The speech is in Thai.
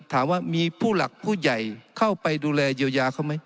ถามว่ามีผู้หลักผู้ใหญ่เข้าไปดูแลเยียวยาเขาไหม